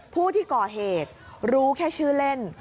ผู้ที่ก่อเหตุรู้แค่ชื่อเล่น